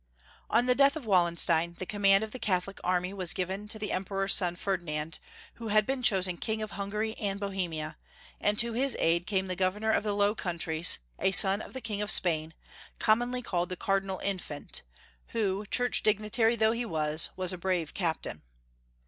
ON the death of Wallenstem, the command of the Catholic army was given to the Em peror's son Ferdinand, who had been chosen King of Hungary and Bohemia, and to his aid came the Governor of the Low Countries, a son of the King of Spain, commonly called the Cardinal Infant, who, church dignitary though he was, was a brave captain.